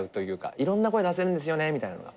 いろんな声出せるんですよねみたいなのが。